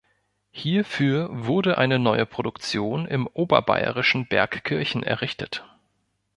Hierfür wurde eine neue Produktion im oberbayerischen Bergkirchen errichtet.